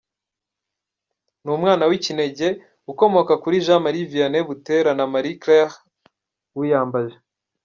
Ni umwana w’ikinege ukomoka kuri Jean Marie Vianney Butera na Marie Claire Uyambaje.